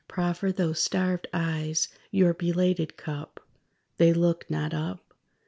Proffer those starved eyes your belated cup: They look not up.